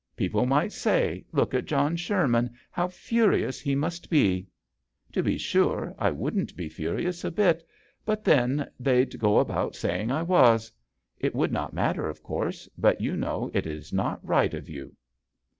People might say, ' Look at John Sherman ; how furious he must be !' To be sure I wouldn't be furious a bit ; but then they'd go about saying I was. It would not matter, of course; but you know it is not right of you."